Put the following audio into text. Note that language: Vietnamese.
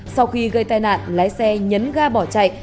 sau khi gây tai nạn lái xe nhấn ga bỏ chạy